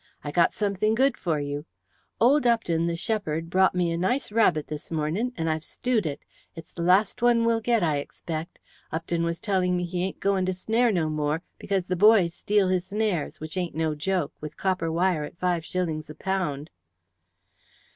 I got something good for you. Old Upden, the shepherd, brought me a nice rabbit this mornin', and I've stewed it. It's the last one we'll get, I expect. Upden was telling me he ain't going to snare no more, because the boys steal his snares, which ain't no joke, with copper wire at five shillings a pound."